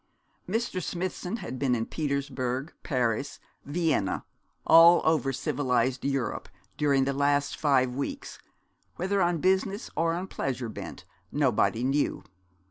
Mr. Smithson had been in Petersburg, Paris, Vienna, all over civilised Europe during the last five weeks, whether on business or on pleasure bent, nobody knew.